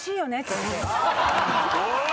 おい！